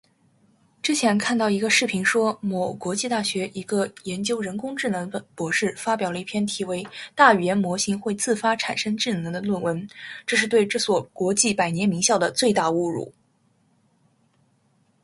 之前看到一个视频说某国际大学一个研究人工智能的博士发表了一篇题为:大语言模型会自发产生智能的论文，这是对这所国际百年名校的最大侮辱